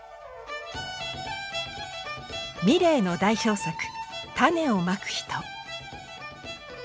ミレーの代表作「種をまく人」。